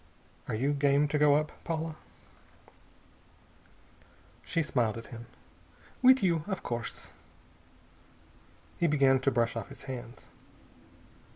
Are you game to go up, Paula?" She smiled at him. "With you, of course." He began to brush off his hands.